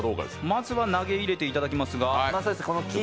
まずは投げ入れていただきますが。